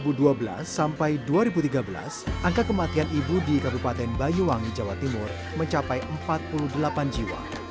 pada dua ribu dua belas sampai dua ribu tiga belas angka kematian ibu di kabupaten bayuwangi jawa timur mencapai empat puluh delapan jiwa